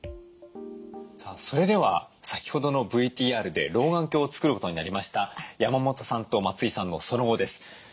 さあそれでは先ほどのＶＴＲで老眼鏡を作ることになりました山本さんと松井さんのその後です。